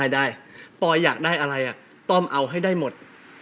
ได้ปอยอยากได้อะไรต้อมเอาให้ได้หมด